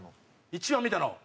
一番見たの？